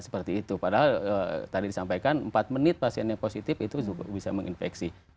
padahal tadi disampaikan empat menit pasien yang positif itu bisa menginfeksi